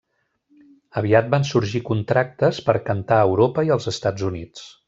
Aviat van sorgir contractes per a cantar a Europa i els Estats Units.